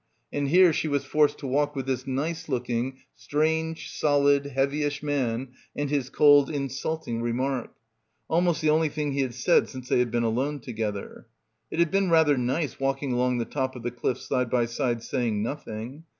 And here she was forced to walk with this nice looking strange solid heavyish man and his cold insulting remark; almost the only thing he had said since they had been alone to gether. It had been rather nice walking along the top of the cliff side by side saying nothing.